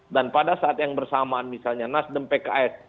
dan pada saat yang bersamaan misalnya nasdem pks